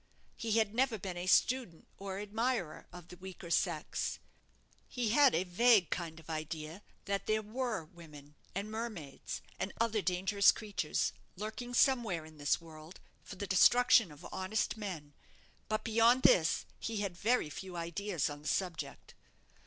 He had never been a student or admirer of the weaker sex. He had a vague kind of idea that there were women, and mermaids, and other dangerous creatures, lurking somewhere in this world, for the destruction of honest men; but beyond this he had very few ideas on the subject.